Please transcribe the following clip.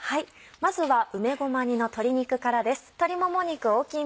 まずは梅ごま煮の鶏肉からです。